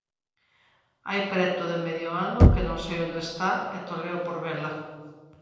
Hai preto de medio ano que non sei onde está e toleo por vela.